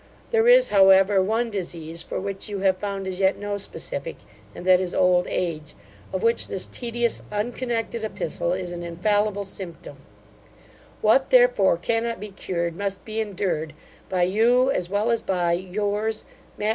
There is, however, one disease, for which you have found as yet no specific, and that is old age, of which this tedious unconnected epistle is an infallible symptom: what, therefore, cannot be cured, must be endured, by you, as well as by Yours, MATT.